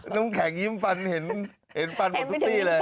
น้ำแข็งยิ้มฟันเห็นฟันหมดทุกที่เลย